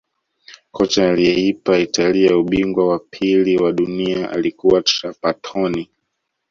kocha aliyeipa italia ubingwa wa pili wa dunia alikuwa trapatoni